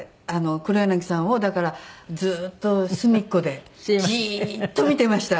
黒柳さんをだからずっと隅っこでじーっと見てました。